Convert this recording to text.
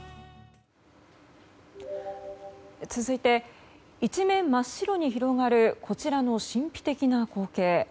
続いて一面真っ白に広がるこちらの神秘的な光景。